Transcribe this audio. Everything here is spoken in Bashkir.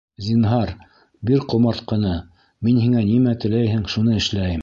Зинһар, бир ҡомартҡыны, мин һиңә нимә теләйһең, шуны эшләйем!